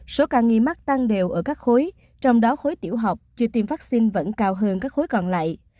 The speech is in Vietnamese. số ca nghi mắc tăng đều ở các khối trong đó khối tiểu học chưa tiêm vaccine vẫn cao hơn các khối còn lại